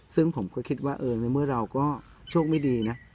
ซึ่งผมก็คิดว่าในเมื่อเราก็โชคไม่ดีนะ